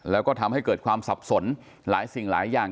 แล้วก็ทำให้เกิดความสับสนหลายสิ่งหลายอย่าง